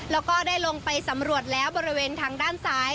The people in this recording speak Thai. แล้วก็ได้ลงไปสำรวจแล้วบริเวณทางด้านซ้าย